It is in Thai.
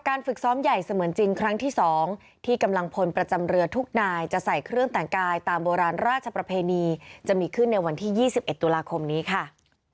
ทุกอย่างไม่ว่าจะเหนือแค่ไหนเขาก็ทำเต็มที่ครับ